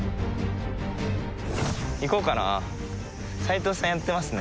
行こうかな。